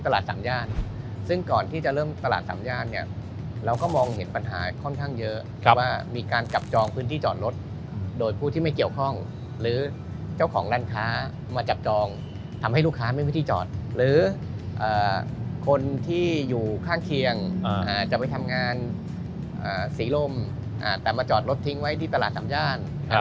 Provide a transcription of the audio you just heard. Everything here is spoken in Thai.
พื้นที่จอดรถโดยผู้ที่ไม่เกี่ยวข้องหรือเจ้าของร่านค้ามาจับจองทำให้ลูกค้าไม่มีที่จอดหรือคนที่อยู่ข้างเคียงจะไปทำงานสีลมแต่มาจอดรถทิ้งไว้ที่ตลาดสามญาณ